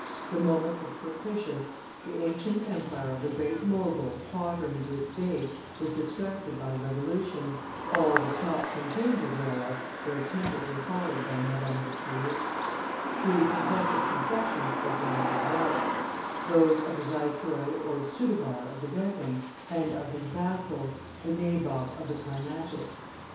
The moment was propitious; the ancient empire of the Great Mogul, tottering to its base, was distracted by revolutions, all the chops and changes whereof were attentively followed by Madame Dupleix; two contested successions opened up at once those of the Viceroy or Soudhabar of the Deccan and of his vassal, the Nabob of the Carnatic.